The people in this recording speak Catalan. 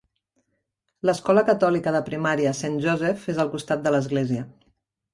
L'escola catòlica de primària Saint Joseph és al costat de l'església.